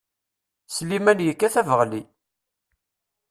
Sliman yekkat abeɣli.